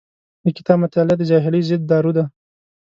د کتاب مطالعه د جاهلۍ ضد دارو دی.